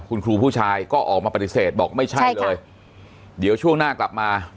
คุณครูผู้ชายก็ออกมาปฏิเสธบอกไม่ใช่เลยเดี๋ยวช่วงหน้ากลับมา